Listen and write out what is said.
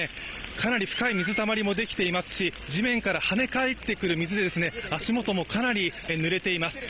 かなり深い水たまりもできていますし地面から跳ね返ってくる水で足元もかなり濡れています。